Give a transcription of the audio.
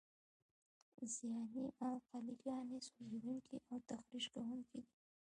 زیاتې القلي ګانې سوځونکي او تخریش کوونکي دي.